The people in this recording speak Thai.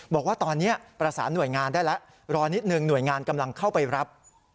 บอกว่าตอนนี้ประสานหน่วยงานได้แล้วรอนิดหนึ่งหน่วยงานกำลังเข้าไปรับ